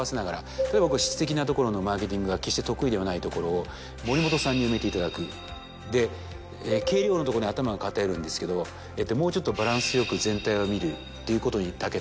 例えば僕は質的なところのマーケティングが決して得意ではないところを森本さんに埋めていただく。で計量のところに頭が偏るんですけどもうちょっとバランスよく全体を見るということにたけた